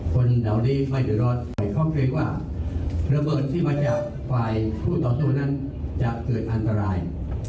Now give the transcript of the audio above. คนเหล่านี้ไม่เดือดร้อนใครเพราะเกรงว่าระเบิดที่มาจากฝ่ายคู่ต่อสู้นั้นจะเกิดอันตราย